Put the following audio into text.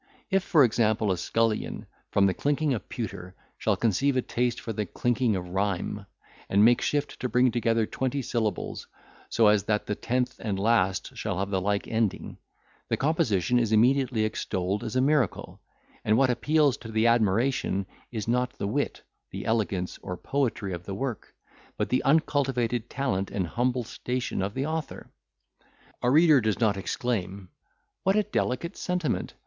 If, for example, a scullion, from the clinking of pewter, shall conceive a taste for the clinking of rhyme, and make shift to bring together twenty syllables, so as that the tenth and last shall have the like ending, the composition is immediately extolled as a miracle; and what appeals to the admiration is not the wit, the elegance, or poetry of the work, but the uncultivated talent and humble station of the author. A reader does not exclaim, "What a delicate sentiment!